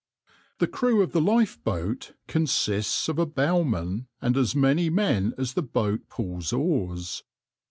The crew of the lifeboat consists of a bowman and as many men as the boat pulls oars.